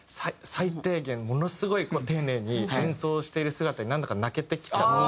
最低限ものすごい丁寧に演奏している姿になんだか泣けてきちゃって。